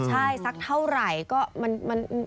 ใช่สักเท่าไหร่ก็มันปี๒๐๑๕คือยังไงงง